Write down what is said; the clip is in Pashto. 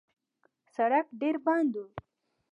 سړک ډېر بند و.